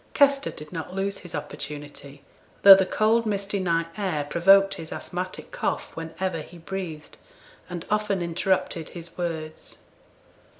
Kester did not lose his opportunity, though the cold misty night air provoked his asthmatic cough when ever he breathed, and often interrupted his words.